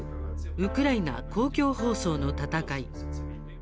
ウクライナ公共放送の闘い」。